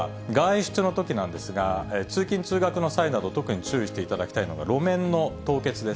今度は外出のときなんです、通勤・通学の際など、特に注意していただきたいのが、路面の凍結です。